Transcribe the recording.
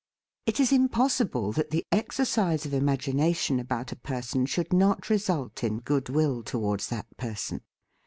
It is impossible that the exercise of imagina tion about a person should not result in goodwill towards that person.